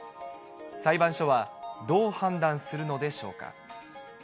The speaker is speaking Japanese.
裁判所はどう判断するのでしょうか。